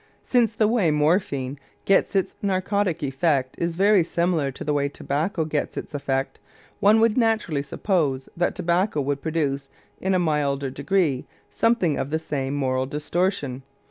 Since the way morphine gets its narcotic effect is very similar to the way tobacco gets its effect, one would naturally suppose that tobacco would produce in a milder degree something of the same moral distortion.